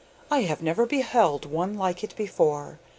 I have never beheld one like it before.